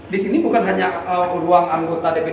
disini bukan hanya ruang anggota dpd